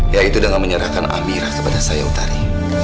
yaitu dengan menyerahkan amirah kepada saya utari